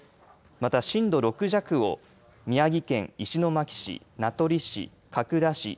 また、震度６弱を宮城県石巻市、名取市角田市